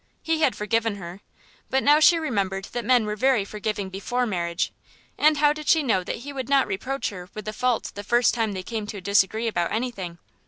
He had forgiven her. But now she remembered that men were very forgiving before marriage, but how did she know that he would not reproach her with her fault the first time they came to disagree about anything?